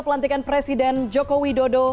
pelantikan presiden joko widodo